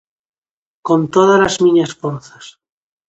Con tódalas miñas forzas.